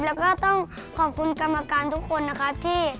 แล้วก็ต้องขอบคุณกรรมการทุกคนนะครับที่